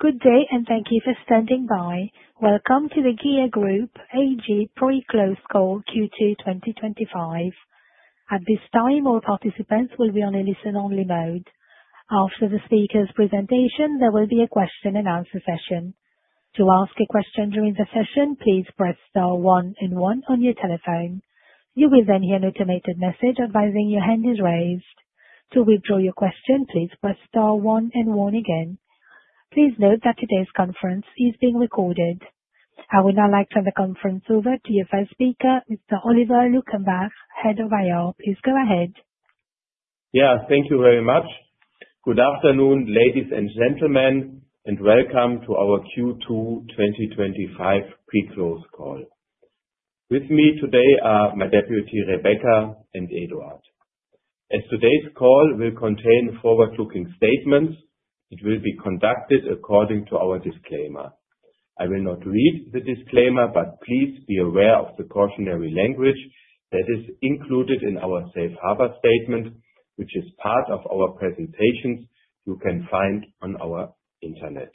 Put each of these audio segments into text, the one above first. Good day, and thank you for standing by. Welcome to the GEA Group AG Pre-Closed Call Q2 2025. At this time, all participants will be on a listen-only mode. After the speaker's presentation, there will be a question-and-answer session. To ask a question during the session, please press star one and one on your telephone. You will then hear an automated message advising your hand is raised. To withdraw your question, please press star one and one again. Please note that today's conference is being recorded. I will now like to turn the conference over to your first speaker, Mr. Oliver Luckenbach, Head of Investor Relations. Please go ahead. Yeah, thank you very much. Good afternoon, ladies and gentlemen, and welcome to our Q2 2025 Pre-Closed Call. With me today are my deputy, Rebecca, and Eduard. As today's call will contain forward-looking statements, it will be conducted according to our disclaimer. I will not read the disclaimer, but please be aware of the cautionary language that is included in our safe harbor statement, which is part of our presentations you can find on our internet.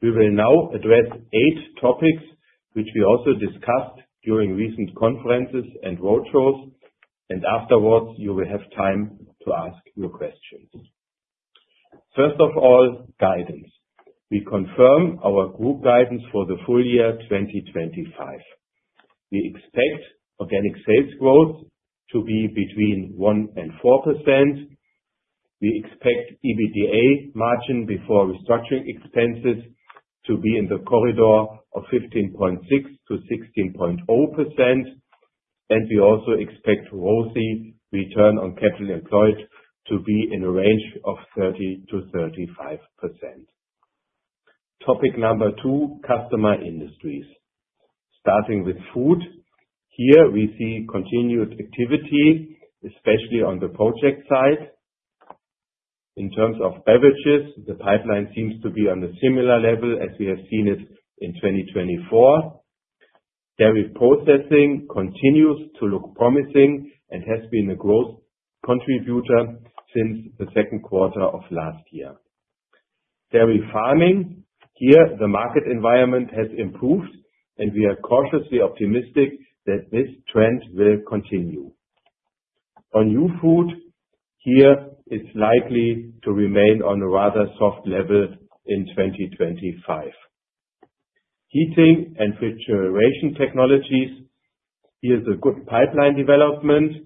We will now address eight topics, which we also discussed during recent conferences and roadshows, and afterwards, you will have time to ask your questions. First of all, guidance. We confirm our group guidance for the full year 2025. We expect organic sales growth to be between 1% to 4%. We expect EBITDA margin before restructuring expenses to be in the corridor of 15.6 to 6.0%, and we also expect ROCE, return on capital employed, to be in a range of 30 to 35%. Topic number two, customer industries. Starting with food, here we see continued activity, especially on the project side. In terms of beverages, the pipeline seems to be on a similar level as we have seen it in 2024. Dairy processing continues to look promising and has been a growth contributor since the second quarter of last year. Dairy farming, here the market environment has improved, and we are cautiously optimistic that this trend will continue. On new food, here it is likely to remain on a rather soft level in 2025. Heating and refrigeration technologies, here is a good pipeline development.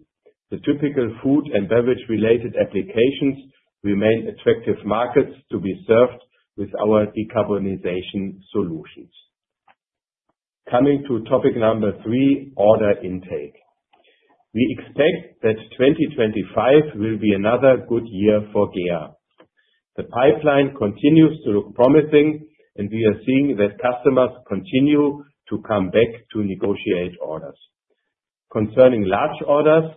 The typical food and beverage-related applications remain attractive markets to be served with our decarbonization solutions. Coming to topic number three, order intake. We expect that 2025 will be another good year for GEA. The pipeline continues to look promising, and we are seeing that customers continue to come back to negotiate orders. Concerning large orders,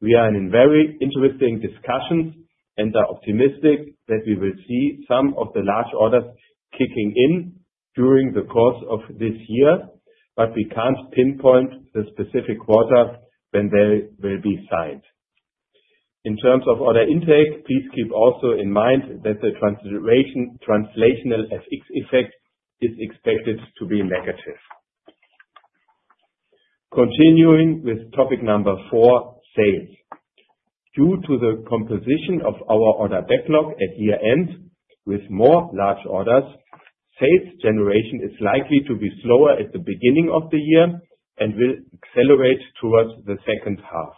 we are in very interesting discussions and are optimistic that we will see some of the large orders kicking in during the course of this year, but we can't pinpoint the specific quarter when they will be signed. In terms of order intake, please keep also in mind that the translational FX effect is expected to be negative. Continuing with topic number four, sales. Due to the composition of our order backlog at year-end, with more large orders, sales generation is likely to be slower at the beginning of the year and will accelerate towards the second half.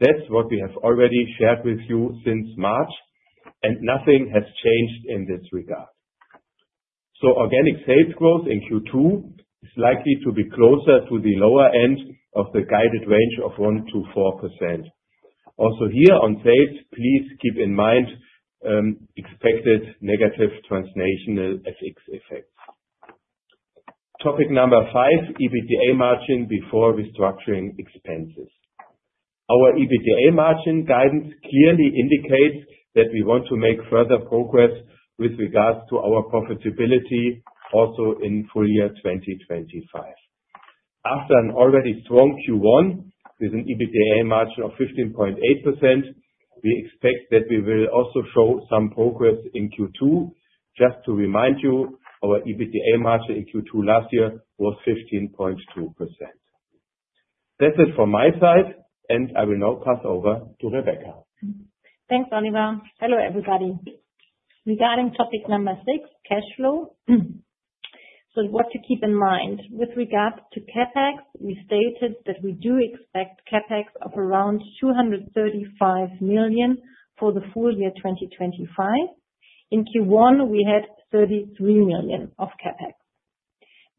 That is what we have already shared with you since March, and nothing has changed in this regard. Organic sales growth in Q2 is likely to be closer to the lower end of the guided range of 1 to 4%. Also here on sales, please keep in mind expected negative translational FX effects. Topic number five, EBITDA margin before restructuring expenses. Our EBITDA margin guidance clearly indicates that we want to make further progress with regards to our profitability also in full year 2025. After an already strong Q1 with an EBITDA margin of 15.8%, we expect that we will also show some progress in Q2. Just to remind you, our EBITDA margin in Q2 last year was 15.2%. That's it from my side, and I will now pass over to Rebecca. Thanks, Oliver. Hello, everybody. Regarding topic number six, cash flow. What to keep in mind? With regards to CapEx, we stated that we do expect CapEx of around 235 million for the full year 2025. In Q1, we had 33 million of CapEx.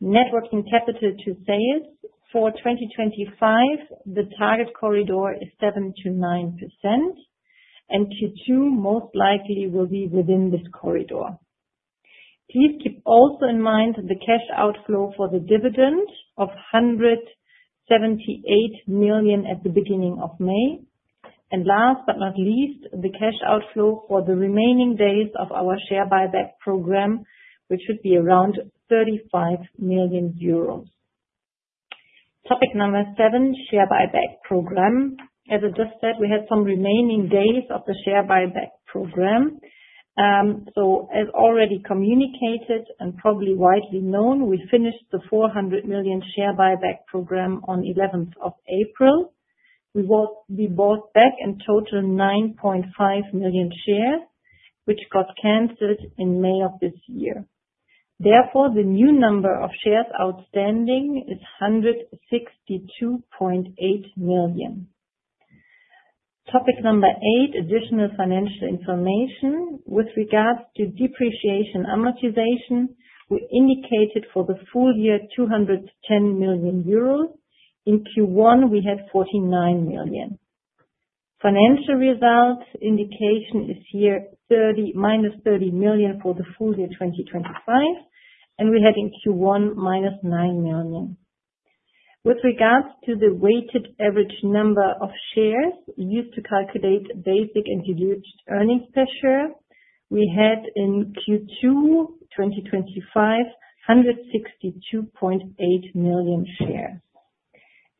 Networking capital to sales for 2025, the target corridor is 7 to 9%, and Q2 most likely will be within this corridor. Please keep also in mind the cash outflow for the dividend of 178 million at the beginning of May. Last but not least, the cash outflow for the remaining days of our share buyback program, which should be around 35 million euros. Topic number seven, share buyback program. As I just said, we had some remaining days of the share buyback program. As already communicated and probably widely known, we finished the 400 million share buyback program on 11th of April. We bought back in total 9.5 million shares, which got canceled in May of this year. Therefore, the new number of shares outstanding is 162.8 million. Topic number eight, additional financial information. With regards to depreciation amortization, we indicated for the full year 210 million euros. In Q1, we had 49 million. Financial result indication is here minus 30 million for the full year 2025, and we had in Q1 minus 9 million. With regards to the weighted average number of shares used to calculate basic and diluted earnings per share, we had in Q2 2025, 162.8 million shares.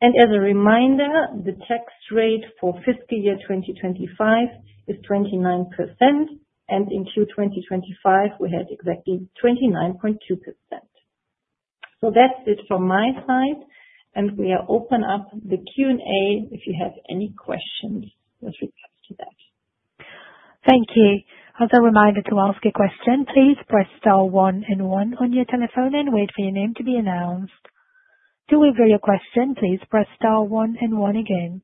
As a reminder, the tax rate for fiscal year 2025 is 29%, and in Q2 2025, we had exactly 29.2%. That is it from my side, and we are open up the Q&A if you have any questions with regards to that. Thank you. As a reminder to ask a question, please press star one and one on your telephone and wait for your name to be announced. To withdraw your question, please press star one and one again.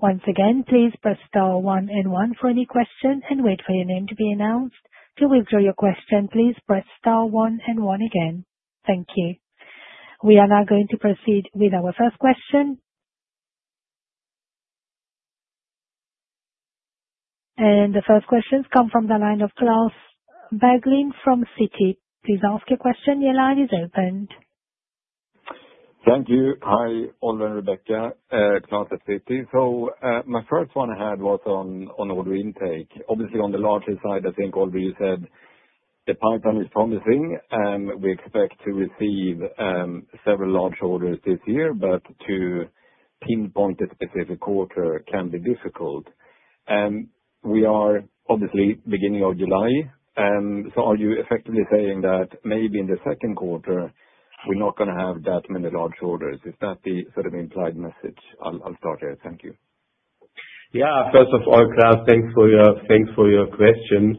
Once again, please press star one and one for any question and wait for your name to be announced. To withdraw your question, please press star one and one again. Thank you. We are now going to proceed with our first question. The first questions come from the line of Klas Bergelind from Citi. Please ask your question. Your line is opened. Thank you. Hi, Oliver and Rebecca. Klas at Citi. My first one I had was on order intake. Obviously, on the larger side, I think, Oliver, you said the pipeline is promising. We expect to receive several large orders this year, but to pinpoint a specific quarter can be difficult. We are obviously beginning of July, so are you effectively saying that maybe in the second quarter, we're not going to have that many large orders? Is that the sort of implied message? I'll start there. Thank you. Yeah, first of all, Klas, thanks for your question.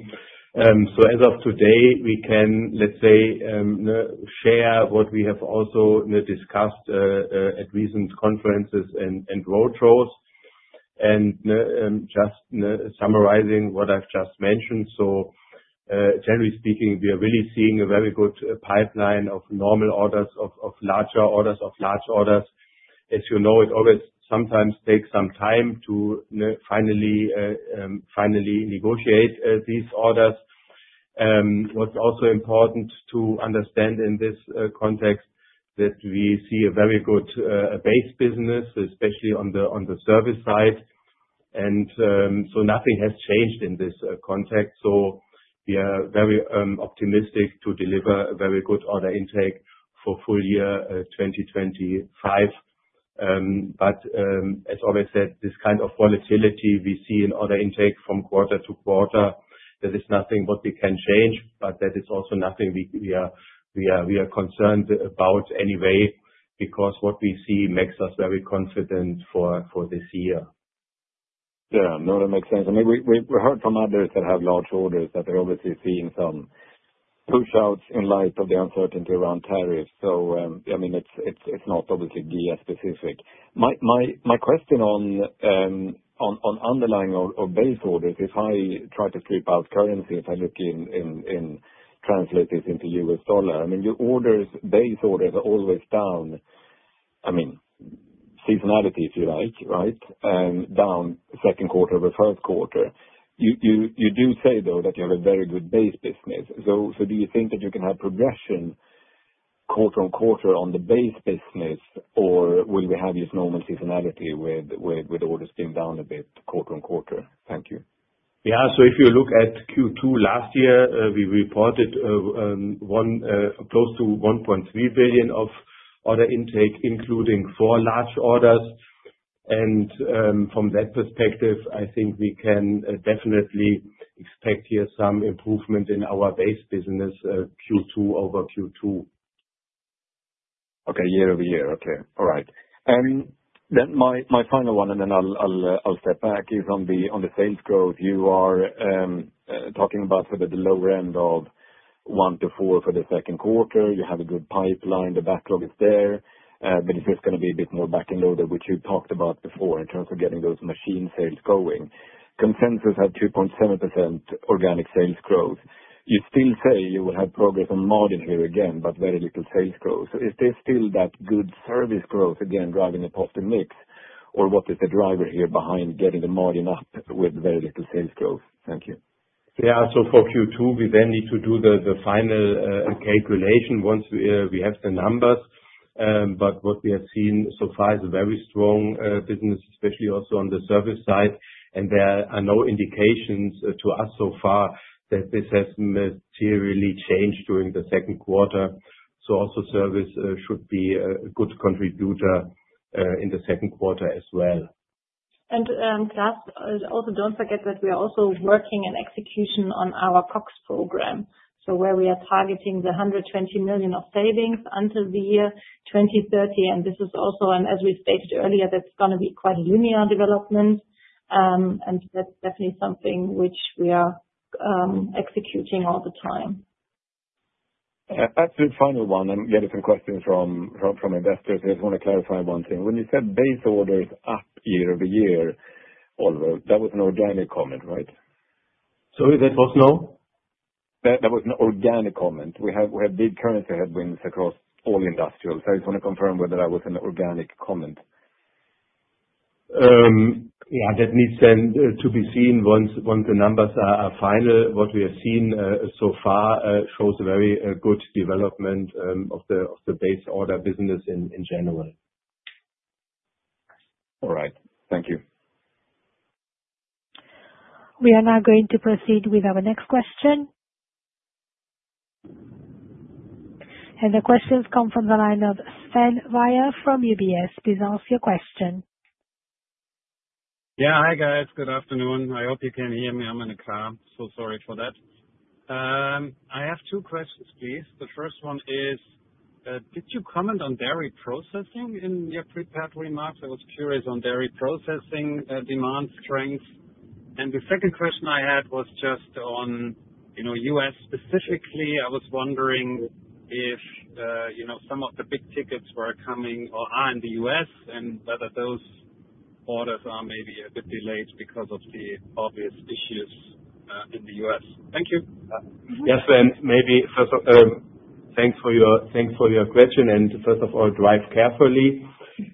As of today, we can, let's say, share what we have also discussed at recent conferences and roadshows. Just summarizing what I've just mentioned, generally speaking, we are really seeing a very good pipeline of normal orders, of larger orders, of large orders. As you know, it always sometimes takes some time to finally negotiate these orders. What's also important to understand in this context is that we see a very good base business, especially on the service side. Nothing has changed in this context. We are very optimistic to deliver a very good order intake for full year 2025. As always said, this kind of volatility we see in order intake from quarter to quarter, there is nothing what we can change, but that is also nothing we are concerned about anyway because what we see makes us very confident for this year. Yeah, no, that makes sense. I mean, we heard from others that have large orders that they're obviously seeing some push-outs in light of the uncertainty around tariffs. I mean, it's not obviously GEA specific. My question on underlying or base orders, if I try to strip out currency, if I look in, translate this into U.S. dollar, I mean, your orders, base orders are always down. I mean, seasonality, if you like, right, down second quarter over first quarter. You do say, though, that you have a very good base business. Do you think that you can have progression quarter on quarter on the base business, or will we have this normal seasonality with orders being down a bit quarter on quarter? Thank you. Yeah, so if you look at Q2 last year, we reported close to 1.3 billion of order intake, including four large orders. From that perspective, I think we can definitely expect here some improvement in our base business Q2 over Q2. Okay, year over year. All right. Then my final one, and then I'll step back, is on the sales growth. You are talking about sort of the lower end of 1 to 4% for the second quarter. You have a good pipeline. The backlog is there, but it's just going to be a bit more back and loaded, which you talked about before in terms of getting those machine sales going. Consensus had 2.7% organic sales growth. You still say you will have progress on margin here again, but very little sales growth. Is this still that good service growth again driving a positive mix, or what is the driver here behind getting the margin up with very little sales growth? Thank you. Yeah, so for Q2, we then need to do the final calculation once we have the numbers. What we have seen so far is a very strong business, especially also on the service side. There are no indications to us so far that this has materially changed during the second quarter. Service should be a good contributor in the second quarter as well. Klas, also do not forget that we are also working in execution on our COX program, where we are targeting the 120 million of savings until the year 2030. This is also, as we stated earlier, going to be quite a linear development. That is definitely something which we are executing all the time. Yeah, that's the final one. I'm getting some questions from investors. I just want to clarify one thing. When you said base orders up year over year, Oliver, that was an organic comment, right? Sorry, that was no? That was an organic comment. We have big currency headwinds across all industrials. I just want to confirm whether that was an organic comment. Yeah, that needs to be seen once the numbers are final. What we have seen so far shows a very good development of the base order business in general. All right. Thank you. We are now going to proceed with our next question. The questions come from the line of Sven Weier from UBS. Please ask your question. Yeah, hi guys. Good afternoon. I hope you can hear me. I'm in a car, so sorry for that. I have two questions, please. The first one is, did you comment on dairy processing in your prepared remarks? I was curious on dairy processing demand strength. The second question I had was just on U.S. specifically. I was wondering if some of the big tickets were coming or are in the U.S. and whether those orders are maybe a bit delayed because of the obvious issues in the U.S. Thank you. Yes, Sven, maybe first of all, thanks for your question. First of all, drive carefully.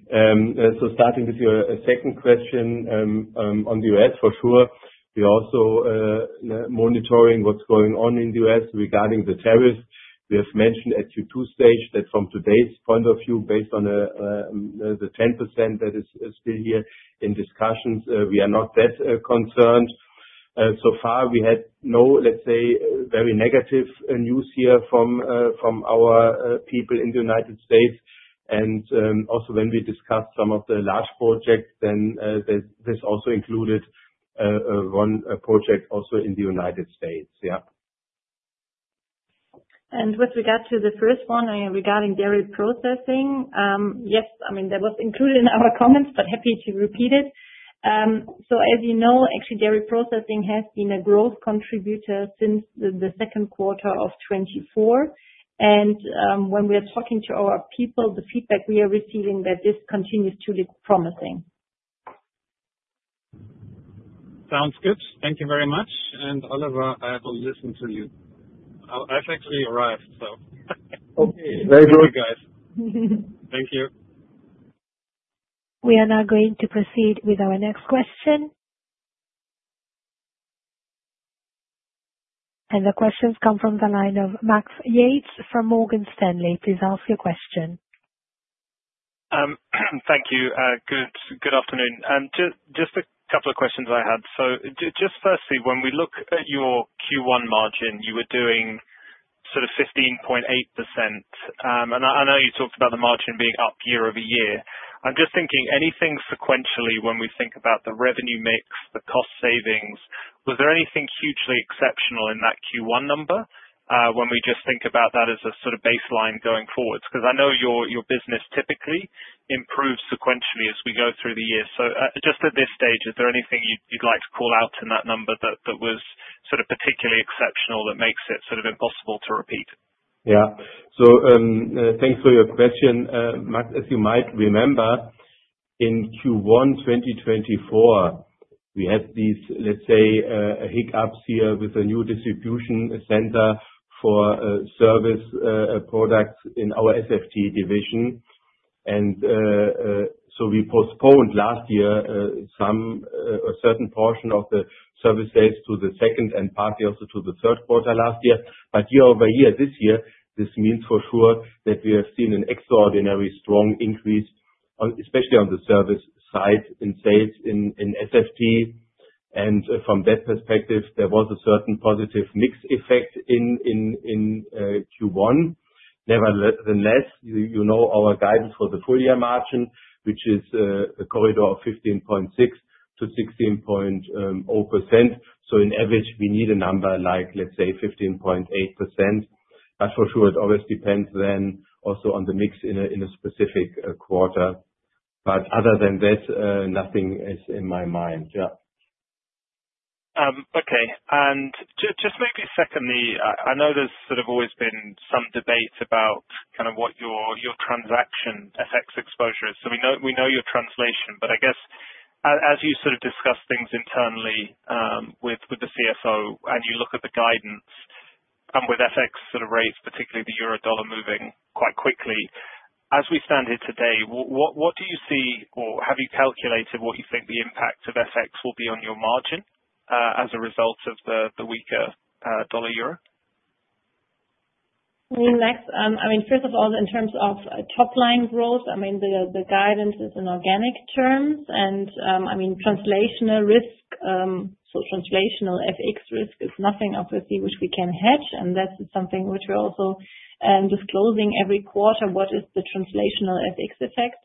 Starting with your second question on the U.S., for sure, we are also monitoring what's going on in the U.S. regarding the tariffs. We have mentioned at Q2 stage that from today's point of view, based on the 10% that is still here in discussions, we are not that concerned. So far, we had no, let's say, very negative news here from our people in the United States. Also, when we discussed some of the large projects, then this also included one project also in the United States. Yeah. With regard to the first one regarding dairy processing, yes, I mean, that was included in our comments, but happy to repeat it. As you know, actually, dairy processing has been a growth contributor since the second quarter of 2024. When we are talking to our people, the feedback we are receiving is that this continues to look promising. Sounds good. Thank you very much. Oliver, I have to listen to you. I've actually arrived, so. Okay, very good. Thank you. We are now going to proceed with our next question. The questions come from the line of Max Yates from Morgan Stanley. Please ask your question. Thank you. Good afternoon. Just a couple of questions I had. Just firstly, when we look at your Q1 margin, you were doing sort of 15.8%. I know you talked about the margin being up year over year. I'm just thinking, anything sequentially when we think about the revenue mix, the cost savings, was there anything hugely exceptional in that Q1 number when we just think about that as a sort of baseline going forwards? I know your business typically improves sequentially as we go through the year. Just at this stage, is there anything you'd like to call out in that number that was sort of particularly exceptional that makes it sort of impossible to repeat? Yeah. Thanks for your question. As you might remember, in Q1 2024, we had these, let's say, hiccups here with a new distribution center for service products in our SFT division. We postponed last year a certain portion of the service sales to the second and partly also to the third quarter last year. Year over year, this year, this means for sure that we have seen an extraordinary strong increase, especially on the service side in sales in SFT. From that perspective, there was a certain positive mix effect in Q1. Nevertheless, you know our guidance for the full year margin, which is a corridor of 15.6 to 16.0%. In average, we need a number like, let's say, 15.8%. For sure, it always depends then also on the mix in a specific quarter. Other than that, nothing is in my mind. Yeah. Okay. Just maybe secondly, I know there's sort of always been some debate about kind of what your transaction FX exposure is. We know your translation, but I guess as you sort of discuss things internally with the CFO and you look at the guidance and with FX sort of rates, particularly the euro/dollar moving quite quickly, as we stand here today, what do you see or have you calculated what you think the impact of FX will be on your margin as a result of the weaker dollar/euro? I mean, first of all, in terms of top-line growth, I mean, the guidance is in organic terms. I mean, translational risk, so translational FX risk is nothing, obviously, which we can hedge. That is something which we are also disclosing every quarter, what is the translational FX effect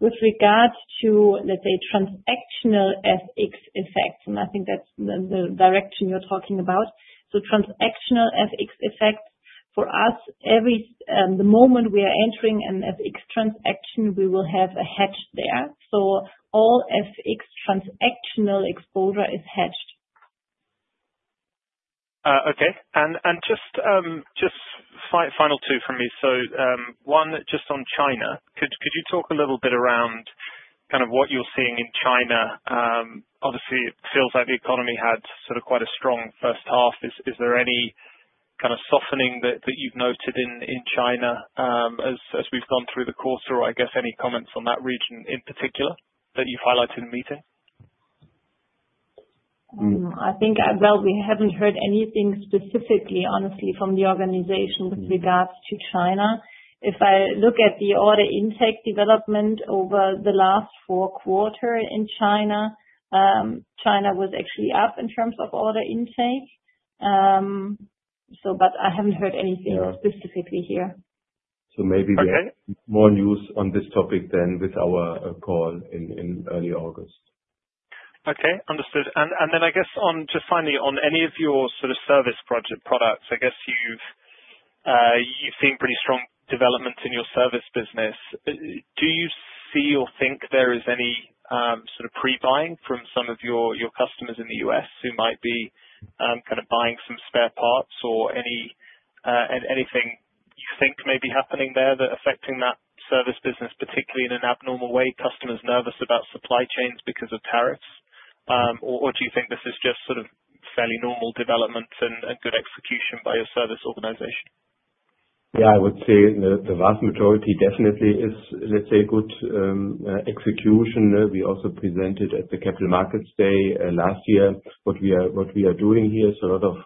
with regard to, let's say, transactional FX effects. I think that is the direction you are talking about. Transactional FX effects for us, every moment we are entering an FX transaction, we will have a hedge there. All FX transactional exposure is hedged. Okay. And just final two from me. One just on China. Could you talk a little bit around kind of what you're seeing in China? Obviously, it feels like the economy had sort of quite a strong first half. Is there any kind of softening that you've noted in China as we've gone through the quarter? Or I guess any comments on that region in particular that you've highlighted in the meeting? I think we haven't heard anything specifically, honestly, from the organization with regards to China. If I look at the order intake development over the last four quarters in China, China was actually up in terms of order intake. I haven't heard anything specifically here. Maybe we have more news on this topic then with our call in early August. Okay, understood. I guess just finally, on any of your sort of service products, I guess you've seen pretty strong developments in your service business. Do you see or think there is any sort of pre-buying from some of your customers in the U.S. who might be kind of buying some spare parts or anything you think may be happening there that's affecting that service business, particularly in an abnormal way? Customers nervous about supply chains because of tariffs? Do you think this is just sort of fairly normal development and good execution by your service organization? Yeah, I would say the vast majority definitely is, let's say, good execution. We also presented at the Capital Markets Day last year what we are doing here. A lot of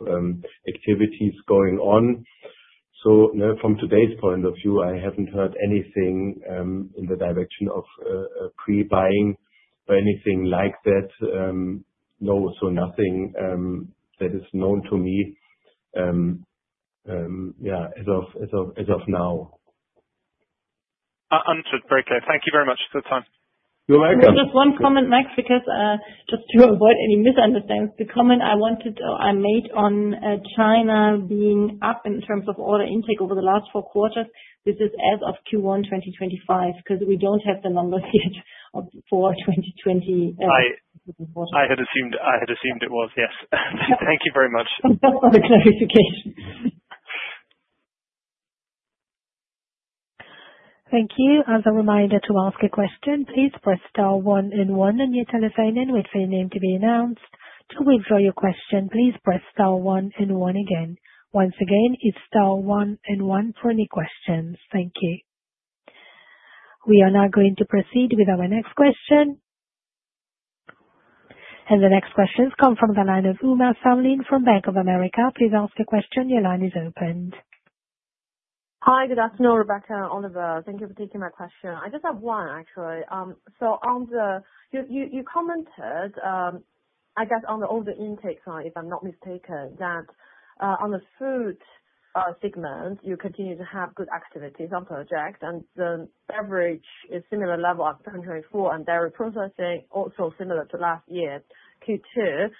activities going on. From today's point of view, I haven't heard anything in the direction of pre-buying or anything like that. No, nothing that is known to me, yeah, as of now. Understood. Very clear. Thank you very much for the time. You're welcome. Just one comment, Max, because just to avoid any misunderstandings, the comment I wanted or I made on China being up in terms of order intake over the last four quarters, this is as of Q1 2025 because we do not have the numbers yet for 2024. I had assumed it was, yes. Thank you very much. Thanks for the clarification. Thank you. As a reminder to ask a question, please press star one and one on your telephone with your name to be announced. To withdraw your question, please press star one and one again. Once again, it is star one and one for any questions. Thank you. We are now going to proceed with our next question. The next questions come from the line of Uma Salmelin from Bank of America. Please ask a question. Your line is opened. Hi, good afternoon, Rebecca, Oliver. Thank you for taking my question. I just have one, actually. You commented, I guess, on the order intake, if I'm not mistaken, that on the food segment, you continue to have good activities on projects. The beverage is similar level at 2024, and dairy processing also similar to last year, Q2,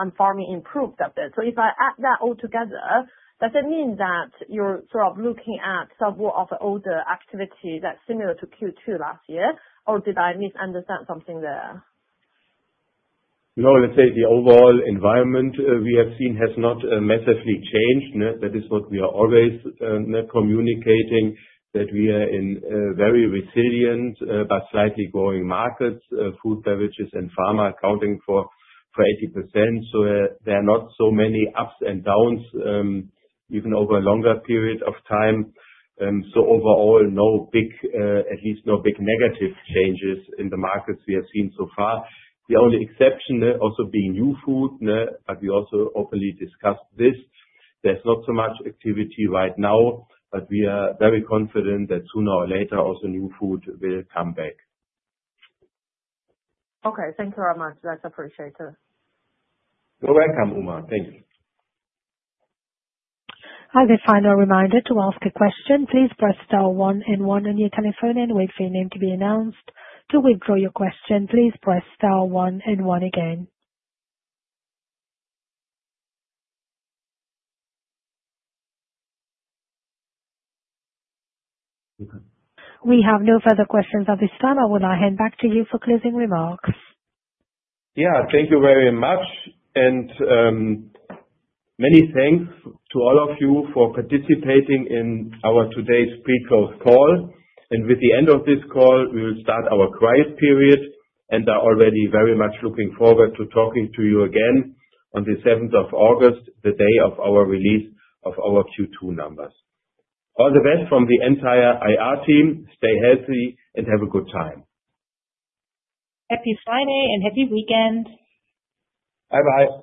and farming improved a bit. If I add that all together, does it mean that you're sort of looking at some more of an order activity that's similar to Q2 last year? Or did I misunderstand something there? No, let's say the overall environment we have seen has not massively changed. That is what we are always communicating, that we are in very resilient but slightly growing markets. Food, beverages, and pharma accounting for 80%. There are not so many ups and downs even over a longer period of time. Overall, at least no big negative changes in the markets we have seen so far. The only exception also being new food, but we also openly discussed this. There is not so much activity right now, but we are very confident that sooner or later also new food will come back. Okay, thank you very much. That's appreciated. You're welcome, Uma. Thanks. Hi, the final reminder to ask a question. Please press star one and one on your telephone and wait for your name to be announced. To withdraw your question, please press star one and one again. We have no further questions at this time. I will now hand back to you for closing remarks. Yeah, thank you very much. Many thanks to all of you for participating in our today's pre-close call. With the end of this call, we will start our quiet period. I'm already very much looking forward to talking to you again on the 7th of August, the day of our release of our Q2 numbers. All the best from the entire IR team. Stay healthy and have a good time. Happy Friday and happy weekend. Bye-bye.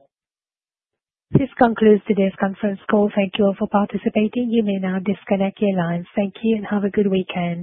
This concludes today's conference call. Thank you all for participating. You may now disconnect your lines. Thank you and have a good weekend.